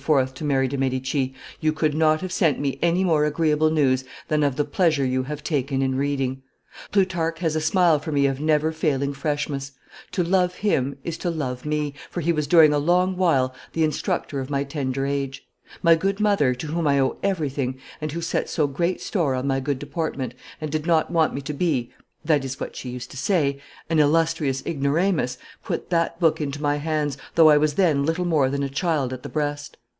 to Mary de' Medici, "you could not have sent me any more agreeable news than of the pleasure you have taken in reading. Plutarch has a smile for me of never failing freshness; to love him is to love me, for he was during a long while the instructor of my tender age; my good mother, to whom I owe everything, and who set so great store on my good deportment, and did not want me to be (that is what she used to say) an illustrious ignoramus, put that book into my hands, though I was then little more than a child at the breast.